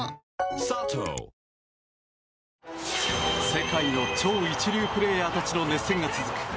世界の超一流プレーヤーたちの熱戦が続く